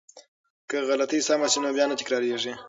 که غلطی سمه شي نو بیا نه تکراریږي.